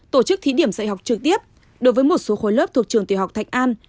tổ chức thí điểm dạy học trực tiếp đối với một số khối lớp thuộc trường tiểu học thạch an